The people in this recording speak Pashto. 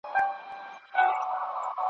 لکه چي بیا یې تیاره په خوا ده `